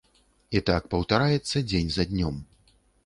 І так паўтараецца дзень за днём.